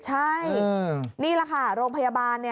ใช่นี่แหละค่ะโรงพยาบาล